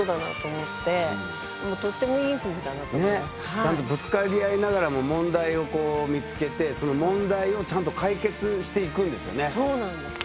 ちゃんとぶつかり合いながらも問題を見つけてその問題をちゃんと解決していくんですよね。